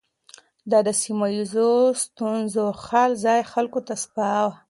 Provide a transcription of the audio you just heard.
ده د سيمه ييزو ستونزو حل ځايي خلکو ته سپاره.